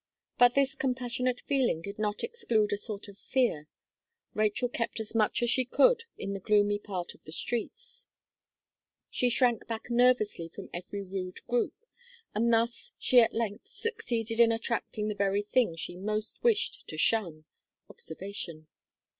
But this compassionate feeling did not exclude a sort of fear. Rachel kept as much as she could in the gloomy part of the streets; she shrank back nervously from every rude group, and thus she at length succeeded in attracting the very thing she most wished to shun observation.